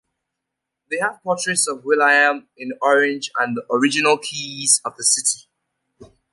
They have portraits of William of Orange and the original keys of the city.